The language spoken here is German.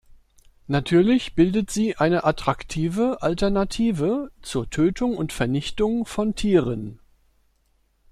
Natürlich bildet sie eine attraktive Alternative zur Tötung und Vernichtung von Tieren.